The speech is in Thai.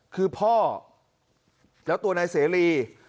คือพ่อแล้วตัวนายเสรี